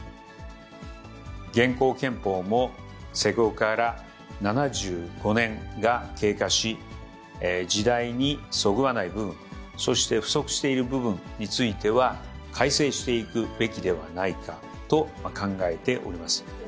現行憲法も施行から７５年が経過し、時代にそぐわない部分、そして、不足している部分については、改正していくべきではないかと考えております。